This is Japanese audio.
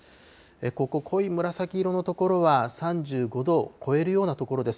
ここ、濃い紫色の所は３５度を超えるような所です。